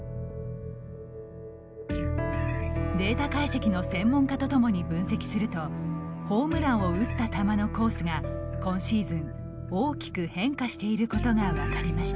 データ解析の専門家と共に分析するとホームランを打った球のコースが今シーズン大きく変化していることが分かりました。